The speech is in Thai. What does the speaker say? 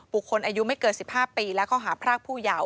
คนอายุไม่เกิน๑๕ปีและข้อหาพรากผู้เยาว์